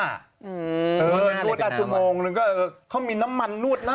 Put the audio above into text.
นวดหน้าละชั่วโมงนึงก็เออเขามีน้ำมันนวดหน้า